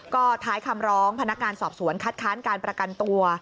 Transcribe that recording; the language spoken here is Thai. ก็ท้ายคำร้องพนักงานสอบสวนคัดค้านการประกันตัว